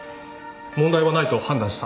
問題はないと判断した。